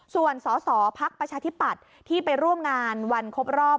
ส่วนสสพักประชาธิปัตย์ที่ไปร่วมงานวันครบรอบ